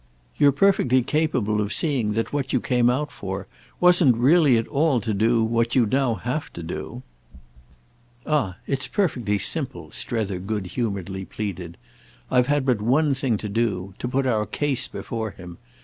You're perfectly capable of seeing that what you came out for wasn't really at all to do what you'd now have to do." "Ah it's perfectly simple," Strether good humouredly pleaded. "I've had but one thing to do—to put our case before him.